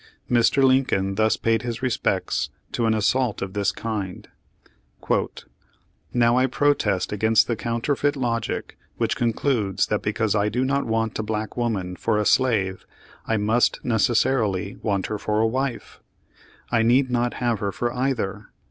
Mr. Lincoln thus paid his respects to an assault of this kind : "Now I protest against the counterfeit logic which con cludes that because I do not want a black woman for a slave I must necessarily want her for a wife. I need not have her for either.